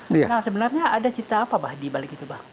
nah sebenarnya ada cerita apa bapak di balik itu bapak